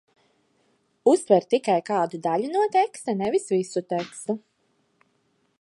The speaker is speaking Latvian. Uztver tikai kādu daļu no teksta, nevis visu tekstu.